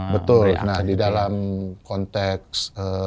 betul nah di dalam konteks